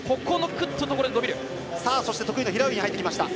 得意の平泳ぎに入ってきました。